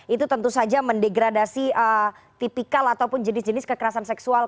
itu tentu saja mendegradasi tipikal ataupun jenis jenis kekerasan seksual